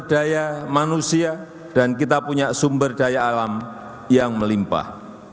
sumber daya manusia dan kita punya sumber daya alam yang melimpah